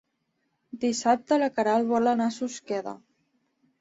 Dissabte na Queralt vol anar a Susqueda.